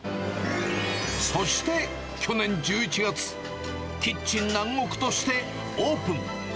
そして去年１１月、キッチン南国としてオープン。